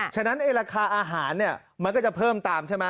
ฉะนั้นไอ้ราคาอาหารเนี่ยมันก็จะเพิ่มตามใช่ไหม